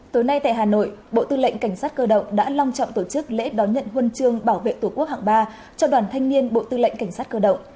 tối nay tại hà nội bộ tư lệnh cảnh sát cơ động đã long trọng tổ chức lễ đón nhận huân chương bảo vệ tổ quốc hạng ba cho đoàn thanh niên bộ tư lệnh cảnh sát cơ động